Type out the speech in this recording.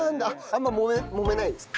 あんまりもめないですか？